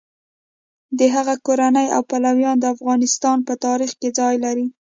د هغه کورنۍ او پلویان د افغانستان په تاریخ کې ځای لري.